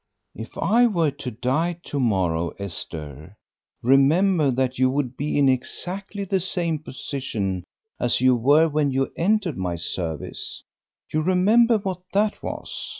"If I were to die to morrow, Esther, remember that you would be in exactly the same position as you were when you entered my service. You remember what that was?